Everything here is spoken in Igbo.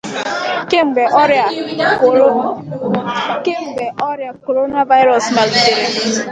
kemgbe ọrịa 'coronavirus' malitere